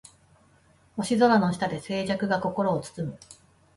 星空の下で静寂が心を包む